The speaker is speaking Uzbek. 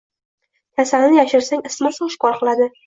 Kasalni yashirsang isitmasi oshkor qiladi.